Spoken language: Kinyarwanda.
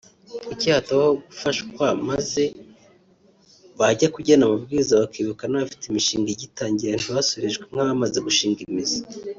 kuki hatabaho gufashwa maze bajya kugena amabwiriza bakibuka n’abafite imishinga igitangira ntibasoreshwe nk’abamaze gushinga imizi”